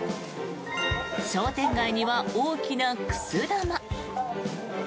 商店街には大きなくす玉。